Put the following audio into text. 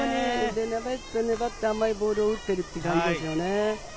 粘って粘って甘いボールを打っているという感じですね。